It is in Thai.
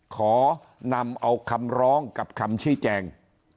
ขอนำเอาคำร้องกับคำชี้แจง